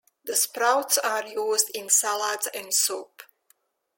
The sprouts are used in salads and soup.